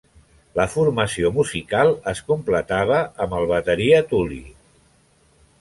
La formació musical es completava amb el bateria Tuli.